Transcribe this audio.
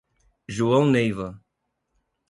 João Neiva